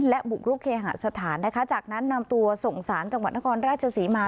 และบุกรุกเคหาสถานนะคะจากนั้นนำตัวส่งสารจังหวัดนครราชศรีมา